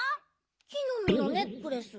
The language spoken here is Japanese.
木のみのネックレス。